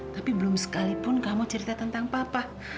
tapi belum sekalipun kamu cerita tentang papa